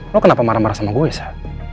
lo kenapa marah marah sama gue sah